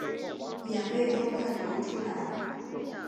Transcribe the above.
眼泪都快流出来了